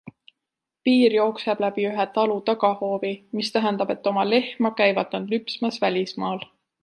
Piir jookseb läbi ühe talu tagahoovi, mis tähendab, et oma lehma käivad nad lüpsmas välismaal.